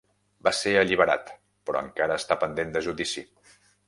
Va ser alliberat però encara està pendent de judici.